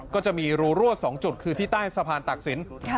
ก็จะมีรูรั่ว๒จุดคือที่ใต้สะพานตักศิลป์